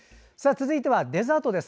続いてはデザートです。